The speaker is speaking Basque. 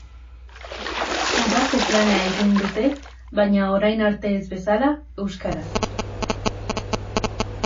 Udako plana egin dute, baina, orain arte ez bezala, euskaraz.